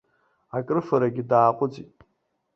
Акрыфарагьы дааҟәыҵит.